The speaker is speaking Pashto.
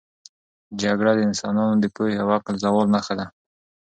جګړه د انسانانو د پوهې او عقل د زوال نښه ده.